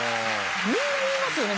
「みんな言いますよね